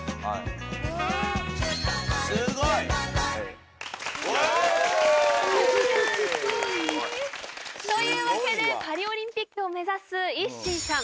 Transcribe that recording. すごい！カッコイイ！というわけでパリオリンピックを目指すＩＳＳＩＮさん